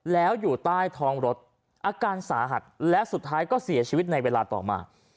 แล้วอยู่ใต้ท้องรถอาการสาหัสและสุดท้ายก็เสียชีวิตในเวลาต่อมา